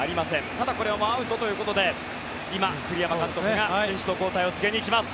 ただ、これはアウトということで今、栗山監督が選手の交代を告げに行きます。